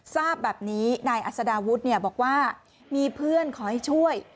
ทราบแบบนี้นายอัศดาวุฒิบอกว่ามีเพื่อนขอให้ช่วย